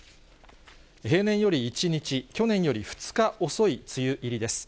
平年より１日、去年より２日遅い梅雨入りです。